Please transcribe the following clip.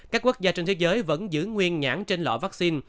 các quốc gia trên thế giới vẫn giữ nguyên nhãn trên loại vaccine